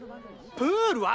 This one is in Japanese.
プールは？